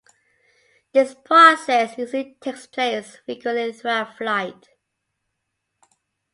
This process usually takes place frequently throughout flight.